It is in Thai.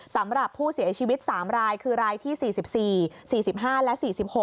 สำหรับผู้เสียชีวิต๓รายคือรายที่๔๔๔๕และ๔๖